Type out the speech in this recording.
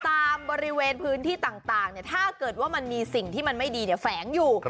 บริเวณพื้นที่ต่างถ้าเกิดว่ามันมีสิ่งที่มันไม่ดีแฝงอยู่